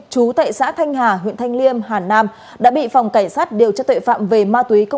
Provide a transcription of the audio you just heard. chú tại xã thanh hà huyện thanh liêm hà nam đã bị phòng cảnh sát điều tra tuệ phạm về ma túy công